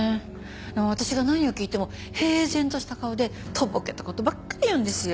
私が何を聞いても平然とした顔でとぼけた事ばっかり言うんですよ。